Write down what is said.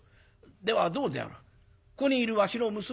ではどうであろうここにいるわしの娘。